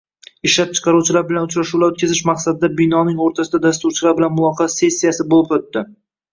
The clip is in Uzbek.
Ishlab chiqaruvchilar bilan uchrashuvlar oʻtkazish maqsadida binoning oʻrtasida dasturchilar bilan muloqot sessiyasi boʻlib oʻtdi.